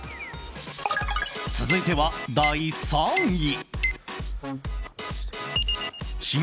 続いては、第３位。